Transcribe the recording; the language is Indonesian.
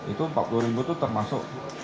itu rp empat itu termasuk